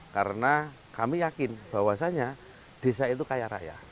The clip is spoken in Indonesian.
karena kami yakin bahwasannya desa itu kaya